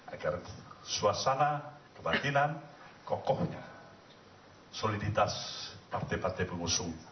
agar suasana kematinan kokohnya soliditas partai partai pengusum